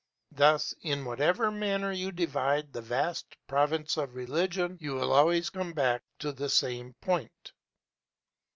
Thus in whatever manner you divide the vast province of religion, you will always come back to the same point.